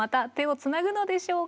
つなぐんでしょうか？